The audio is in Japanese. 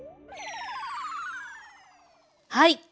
はい！